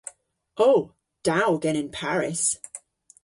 O. Da o genen Paris.